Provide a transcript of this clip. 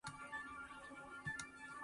十條命也無夠死